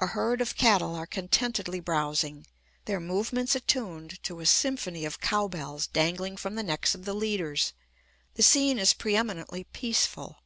A herd of cattle are contentedly browsing, their movements attuned to a symphony of cow bells dangling from the necks of the leaders. The scene is pre eminently peaceful.